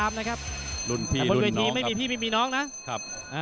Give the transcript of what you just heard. อ่าที่ไม่มีพี่มีน้องนะ